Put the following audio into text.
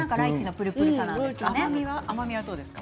甘みはどうですか？